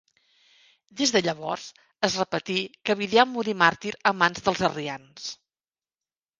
Des de llavors, es repetí que Vidià morí màrtir a mans dels arrians.